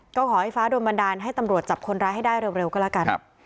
ก็ขอให้ฟ้าโดนบันดาลให้ตำรวจจับคนร้ายให้ได้เร็วก็แล้วกัน